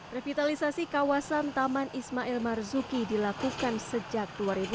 revitalisasi kawasan taman ismail marzuki dilakukan sejak dua ribu dua